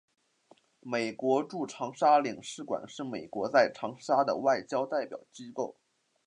美国驻长沙领事馆是美国在长沙的外交代表机构。